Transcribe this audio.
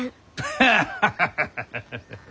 ハハハハハ。